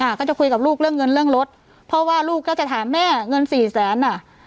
ก็จะคุยกับลูกเรื่องเงินเรื่องรถเพราะว่าลูกก็จะถามแม่เงินสี่แสนอ่ะ